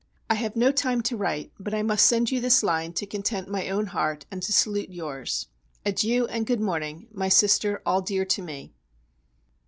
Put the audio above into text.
I have no time to write, but I must send you this line to content my own heart and to salute yours. Adieu, and good morning, my Sister all dear to me.